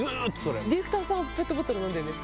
ディレクターさんはペットボトル飲んでるんですか？